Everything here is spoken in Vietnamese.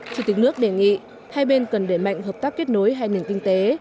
chủ tịch nước đề nghị hai bên cần để mạnh hợp tác kết nối hai nền kinh tế